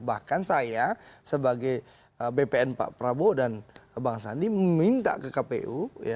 bahkan saya sebagai bpn pak prabowo dan bang sandi meminta ke kpu